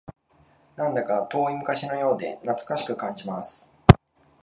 なんだか遠い昔のようで懐かしく感じます